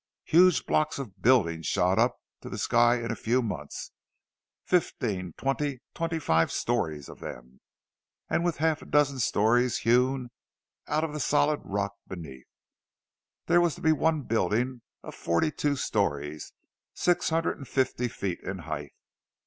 Huge blocks of buildings shot up to the sky in a few months—fifteen, twenty, twenty five stories of them, and with half a dozen stories hewn out of the solid rock beneath; there was to be one building of forty two stories, six hundred and fifty feet in height.